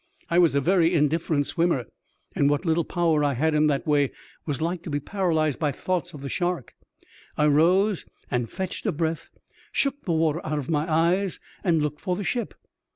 I was a very indifferent swimmer, and what little power I had in that way was like to be paralyzed by thoughts of the shark. I rose and fetched a breath, shook the water out of my eyes, and looked for the ship.